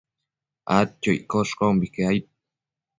adquioccosh caumbique aid